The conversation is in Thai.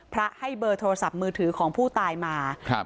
พระให้เบอร์โทรศัพท์มือถือของผู้ตายมาครับ